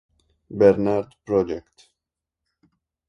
Bernard Project.